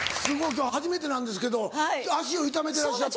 今日初めてなんですけど足を痛めてらっしゃって。